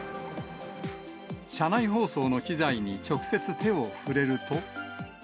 車内放送の機材に直接手を触れると。